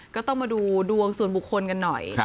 ก็ต้องมาดูดวงส่วนบุคคลกันหน่อย